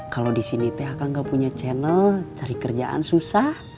kalau di sini teh akan gak punya channel cari kerjaan susah